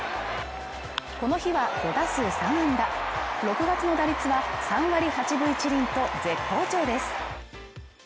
この日は５打数３安打６月の打率は３割８分１厘と絶好調です。